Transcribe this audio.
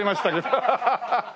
ハハハハ！